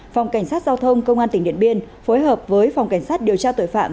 phòng cảnh sát giao thông công an tỉnh điện biên phối hợp với phòng cảnh sát điều tra tội phạm